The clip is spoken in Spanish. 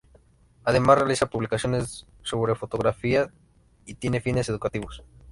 Además realiza publicaciones sobre fotografía y tiene fines educativos.